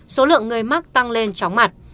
số lượng người mắc tăng lên chóng mặt